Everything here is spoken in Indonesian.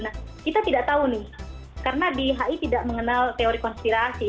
nah kita tidak tahu nih karena di hi tidak mengenal teori konspirasi